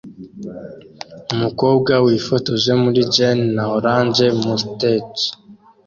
Umukobwa wifotoje muri jeans na orange Mustang